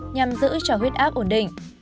nhằm giữ cho huyết áp ổn định